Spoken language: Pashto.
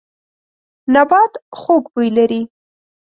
نبات خوږ بوی لري.